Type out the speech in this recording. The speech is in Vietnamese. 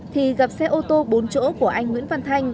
thì gặp xe ô tô bốn chỗ của anh nguyễn văn thanh